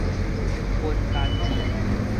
分單字